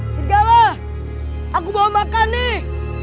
sergala aku bawa makan nih